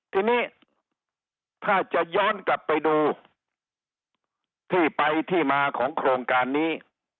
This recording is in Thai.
ทีนี้ถ้าจะย้อนกลับไปดูที่ไปที่มาของโครงการนี้